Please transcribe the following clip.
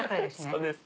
そうです。